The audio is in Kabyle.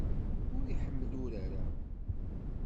Ur iḥemmel urar-a.